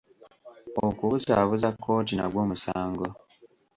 Okubuzaabuza kkooti nagwo musango.